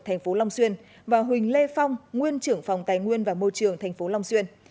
thành phố long xuyên và huỳnh lê phong nguyên trưởng phòng tài nguyên và môi trường tp long xuyên